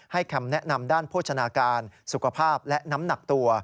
คำแนะนำด้านโภชนาการสุขภาพและน้ำหนักตัว